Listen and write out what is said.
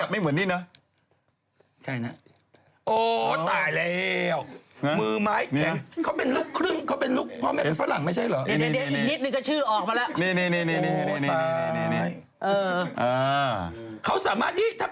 มันเหมือนเด็กแรงแต่มันมีสัมมาคราวะ